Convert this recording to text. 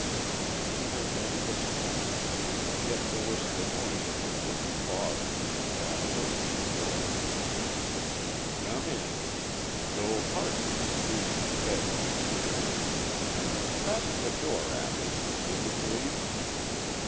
She heard no footsteps; yet there was the noise of a wooden bar being drawn away from the door. "Come in. You'll pardon me, being in bed, my dear. And fasten the door after you, will you, please?"